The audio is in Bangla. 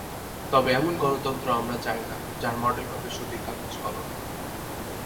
তবে এমন গণতন্ত্র আমরা চাই না, যার মডেল হবে শুধুই কাগজ-কলমে।